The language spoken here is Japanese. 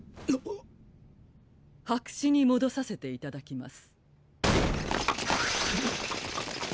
白紙に戻させていただきます。